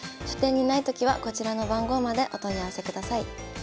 書店にないときはこちらの番号までお問い合わせください。